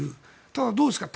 ただ、どうですか。